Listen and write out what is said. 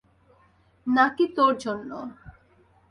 নাকি তোর জন্য?